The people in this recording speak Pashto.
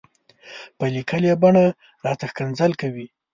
په ليکلې بڼه راته ښکنځل کوي.